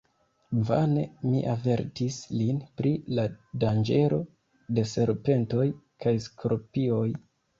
Vane ni avertis lin pri la danĝero de serpentoj kaj skorpioj.